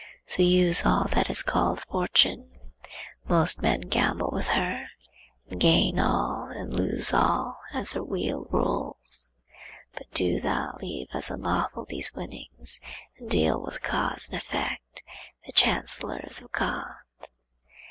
So use all that is called Fortune. Most men gamble with her, and gain all, and lose all, as her wheel rolls. But do thou leave as unlawful these winnings, and deal with Cause and Effect, the chancellors of God.